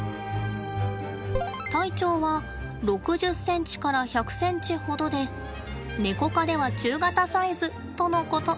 体長は６０ｃｍから１００ｃｍほどでネコ科では中型サイズとのこと。